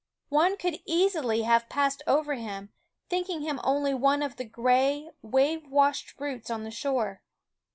One could easily have passed over him, thinking him only one of the gray, wave washed roots on the shore.